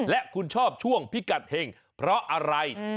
และคุณชอบช่วงพิกัดเห็งเพราะอะไร